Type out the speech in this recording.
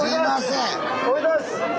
おめでとうございます！